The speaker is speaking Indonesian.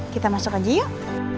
kita masuk aja yuk